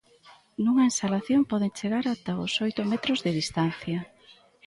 Nunha exhalación poden chegar ata os oito metros de distancia.